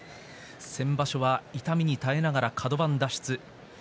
先場所は痛みに耐えながらカド番を脱出。